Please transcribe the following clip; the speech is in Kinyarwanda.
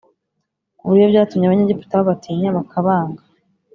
ku buryo byatumye Abanyegiputa babatinya bakabanga